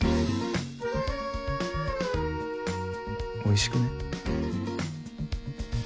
おいしくねぇ？